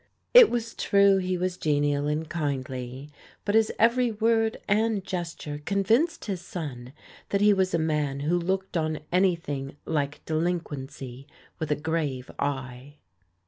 It was true he was genial and kindly, but his every word and gesture con vinced his son that he was a man who looked on any thing like delinquency with a grave eye.